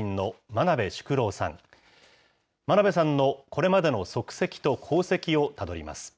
真鍋さんのこれまでの足跡と功績をたどります。